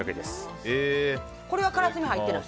これはカラスミ入ってない？